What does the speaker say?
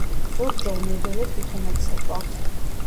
ზოგჯერ მედოლე თვითონაც ცეკვავს.